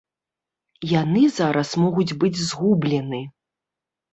Яны зараз могуць быць згублены.